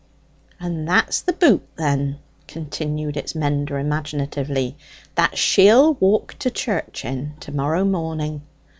"And that's the boot, then," continued its mender imaginatively, "that she'll walk to church in to morrow morning.